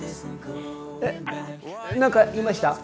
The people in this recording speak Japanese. えっ何か言いました？